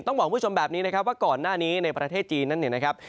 ต้องบอกคุณผู้ชมแบบนี้นะครับว่าก่อนหน้านี้ในประเทศจีนนั้นเนี่ยนะครับ